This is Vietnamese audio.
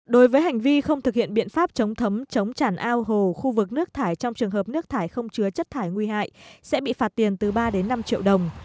đối với hành vi không thực hiện biện pháp chống thấm chống chản ao hồ khu vực nước thải trong trường hợp nước thải không chứa chất thải nguy hại sẽ bị phạt tiền từ ba đến năm triệu đồng